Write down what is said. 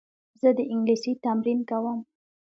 زه د انګلیسي تمرین کوم.